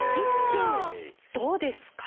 １分どうですか？